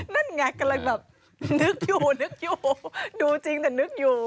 นั่นไงกำลังแบบนึกอยู่นึกอยู่ดูจริงแต่นึกอยู่